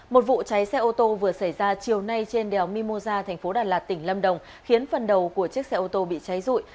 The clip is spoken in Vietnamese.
một vụ cháy xe ô tô vừa xảy ra chiều nay trên đèo mimosa tp đà lạt tỉnh lâm đồng khiến phần đầu của chiếc xe ô tô bị cháy rụi